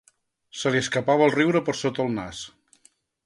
Se li escapava el riure per sota el nas.